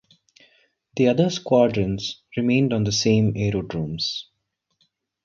The other squadrons remained on the same aerodromes.